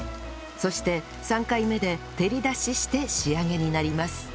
そして３回目で照り出しして仕上げになります